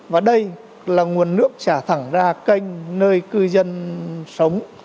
và đây là nguồn nước trả thẳng ra kênh nơi cư dân sống